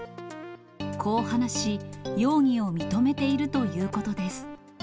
こう話し、容疑を認めているということです。